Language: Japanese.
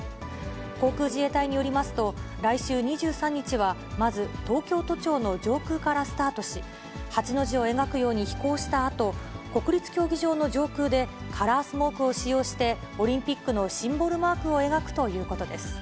航空自衛隊によりますと、来週２３日はまず東京都庁の上空からスタートし、８の字を描くように飛行したあと、国立競技場の上空で、カラースモークを使用して、オリンピックのシンボルマークを描くということです。